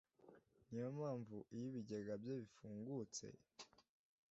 ni yo mpamvu iyo ibigega bye bifungutse